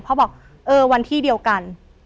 บอกเออวันที่เดียวกัน